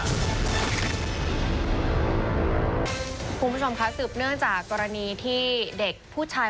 คุณผู้ชมคะสืบเนื่องจากกรณีที่เด็กผู้ชาย